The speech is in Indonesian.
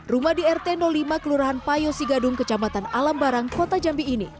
rumah di rt lima kelurahan payo sigadung kecamatan alam barang kota jambi ini